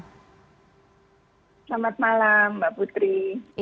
selamat malam mbak putri